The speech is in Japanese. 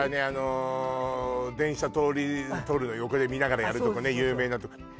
あの電車通るの横で見ながらやるとこね有名なとこ